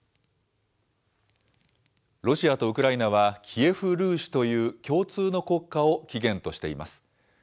ロシアとウクライナは、キエフ・ルーシという共通の国家を起源としています。